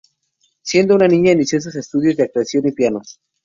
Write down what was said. Siendo una niña inició estudios de actuación y piano.